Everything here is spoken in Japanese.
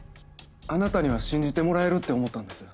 あなたには信じてもらえるって思ったんです。